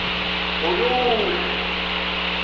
حُلُݸل